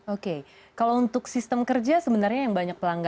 oke kalau untuk sistem kerja sebenarnya yang banyak pelanggan